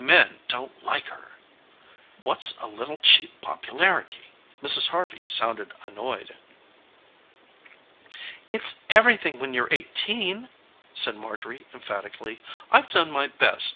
Men don't like her." "What's a little cheap popularity?" Mrs. Harvey sounded annoyed. "It's everything when you're eighteen," said Marjorie emphatically. "I've done my best.